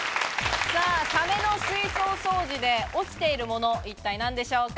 サメの水槽掃除で落ちているもの、一体何でしょうか？